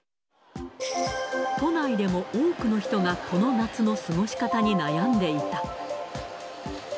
都内でも多くの人がこの夏の過ごし方に悩んでいた。